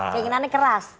kayaknya nane keras